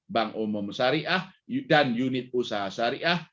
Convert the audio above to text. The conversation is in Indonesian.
bank umum syariah dan unit usaha syariah